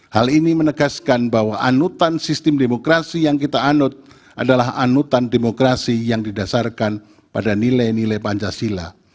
hal ini menegaskan bahwa anutan sistem demokrasi yang kita anut adalah anutan demokrasi yang didasarkan pada nilai nilai pancasila